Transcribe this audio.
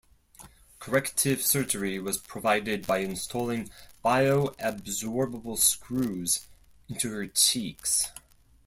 Corrective surgery was provided by installing bioabsorbable screws into her cheeks.